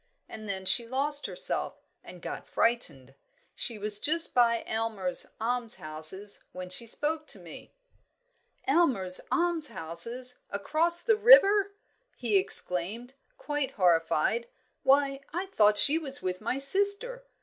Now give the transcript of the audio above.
And then she lost herself, and got frightened. She was just by Aylmer's Almshouses when she spoke to me." "Aylmer's Almshouses, across the river!" he exclaimed, quite horrified. "Why, I thought she was with my sister!